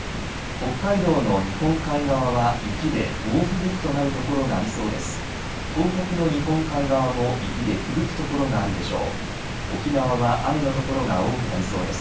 北海道の日本海側は雪で猛吹雪となる所がありそうです。